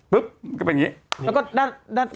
ปุ๊บก็เป็นอย่างนี้